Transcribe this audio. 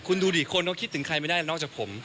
คุณดูดิคนเขาคิดถึงใครไม่ได้นอกจากผม